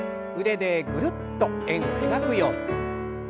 腕でぐるっと円を描くように。